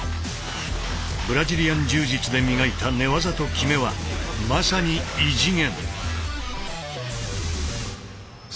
ブラジリアン柔術で磨いた寝技と極めはまさに異次元。